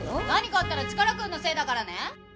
何かあったらチカラくんのせいだからね！